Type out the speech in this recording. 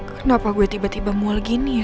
kenapa gue tiba tiba mul gini ya